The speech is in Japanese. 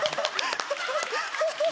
ハハハハ！